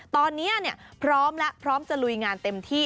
ตอนนี้พร้อมแล้วพร้อมจะลุยงานเต็มที่